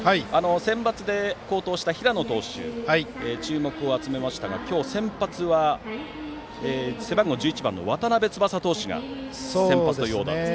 センバツで好投した平野投手が注目を集めましたが、今日は背番号１１番の渡邉翼投手が先発というオーダーです。